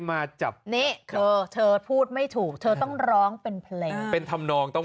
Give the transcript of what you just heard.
มาจับนี่เธอพูดไม่ถูกเธอต้องร้องเป็นเป็นทำนองต้อง